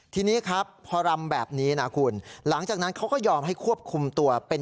ทีนี้ครับพอรำแบบนี้นะคุณหลังจากนั้นเขาก็ยอมให้ควบคุมตัวเป็น